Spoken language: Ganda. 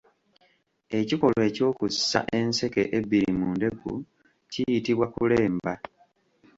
Ekikolwa ekyokussa enseke ebbiri mu ndeku kiyitibwa kulemba.